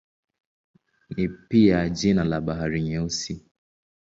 Ni pia jina la Bahari Nyeusi.